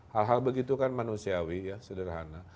hal hal begitu kan manusiawi ya sederhana